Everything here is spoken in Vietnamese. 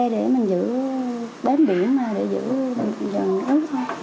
để mình giữ bến biển để giữ dần nước